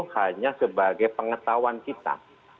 hanya sebagai pengetahuan kita